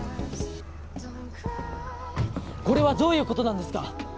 これはどういう事なんですか？